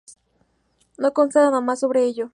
No consta nada más sobre ello.